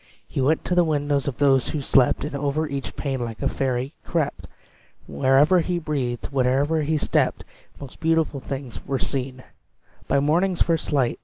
He went to the windows of those who slept, And over each pane, like a fairy crept; Wherever he breathed wherever he stepped Most beautiful things were seen By morning's first light!